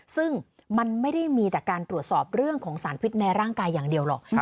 ซึ่งมันไม่ได้มีแต่การตรวจสอบเรื่องของสารพิษในร่างกายอย่างเดียวหรอก